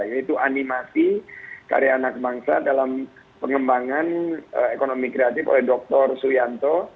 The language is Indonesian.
yaitu animasi karya anak bangsa dalam pengembangan ekonomi kreatif oleh dr suyanto